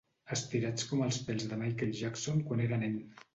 Estirats com els pèls de Michael Jackson quan era nen.